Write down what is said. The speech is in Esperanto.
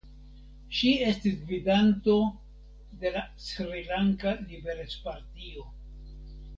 Ŝi estis gvidanto de la Srilanka Liberecpartio.